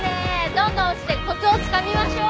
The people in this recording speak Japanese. どんどん落ちてコツをつかみましょう。